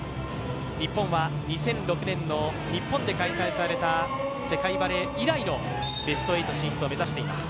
日本は２００６年の日本で開催された世界バレー以来のベスト８進出を目指しています。